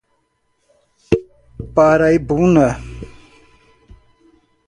Paraibuna